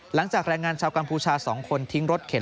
หลังจากแรงงานชาวกัมพูชา๒คนทิ้งรถเข็น